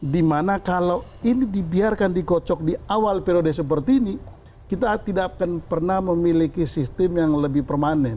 dimana kalau ini dibiarkan dikocok di awal periode seperti ini kita tidak akan pernah memiliki sistem yang lebih permanen